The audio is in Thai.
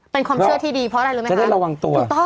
เป็นความเชื่อที่ดีเพราะอะไรรู้ไหมคะ